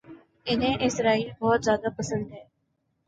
انہیں اسرائیل بہت زیادہ پسند ہے